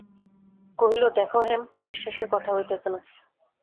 কহিল, দেখো হেম, অবিশ্বাসের কথা হইতেছে না।